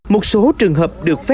một số trường hợp được phép